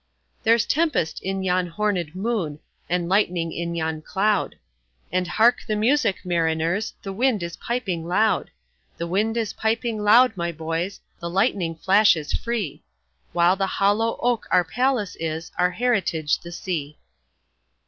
There's tempest in yon hornèd moon, And lightning in yon cloud; And hark the music, mariners, The wind is piping loud! The wind is piping loud, my boys, The lightning flashes free, While the hollow oak our palace is, Our heritage the sea.